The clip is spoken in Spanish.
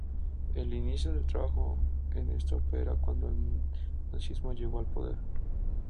Él inició el trabajo en esta ópera cuando el nazismo llegó al poder.